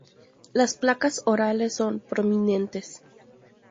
Las placas orales son prominentes.